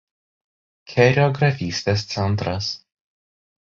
Kerio grafystės centras.